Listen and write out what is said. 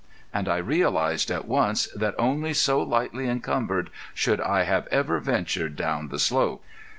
And I realized at once that only so lightly encumbered should I have ever ventured down the slope.